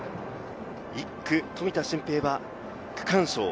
１区・富田峻平は区間賞。